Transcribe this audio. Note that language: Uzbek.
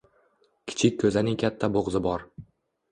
Kichik koʻzaning katta boʻgʻzi bor